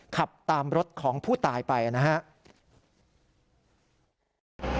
ขับตามรถของผู้ตายไปนะครับ